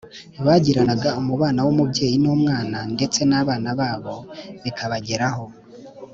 bagiranaga umubano w’umubyeyi n’umwana, ndetse n’abana babo bikabageraho